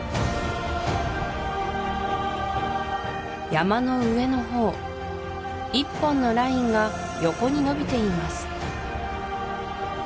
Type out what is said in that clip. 山の上のほう一本のラインが横にのびています